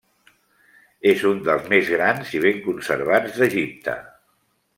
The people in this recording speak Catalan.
És un dels més grans i ben conservats d'Egipte.